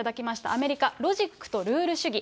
アメリカ、ロジックとルール主義。